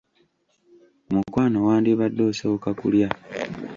Mukwano wandibadde osooka kulya.